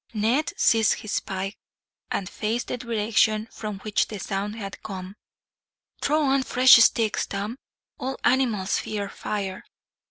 Ned seized his pike, and faced the direction from which the sound had come. "Throw on fresh sticks, Tom. All animals fear fire."